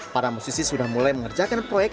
para musisi sudah mulai mengerjakan proyek